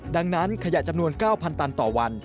ดังนั้นขยะจำนวน๙๐๐ตันต่อวัน